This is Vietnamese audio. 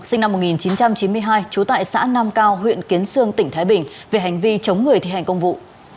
sinh năm một nghìn chín trăm chín mươi hai trú tại xã nam cao huyện kiến sương tỉnh thái bình về hành vi chống người thi hành công vụ